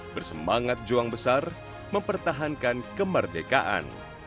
bersemangat juang besar mempertahankan kemerdekaan